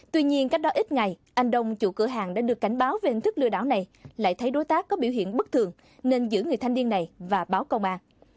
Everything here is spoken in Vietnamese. tuy nhiên cách đó ít ngày anh đông chủ cửa hàng đã được cảnh báo về hình thức lừa đảo này lại thấy đối tác có biểu hiện bất thường nên giữ người thanh niên này và báo công an